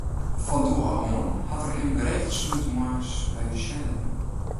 Fan doe ôf oan hat er him geregeld sneontemoarns by ús sjen litten.